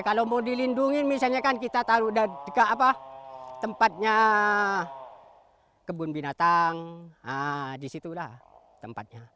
kalau mau dilindungi misalnya kita taruh di tempatnya kebun binatang di situlah tempatnya